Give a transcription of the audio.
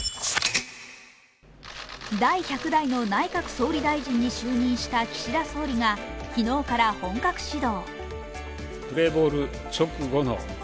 第１００代の内閣総理大臣に就任した岸田総理が昨日から本格始動。